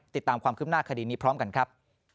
ติดตามความคืบหน้าคดีนี้พร้อมกันครับ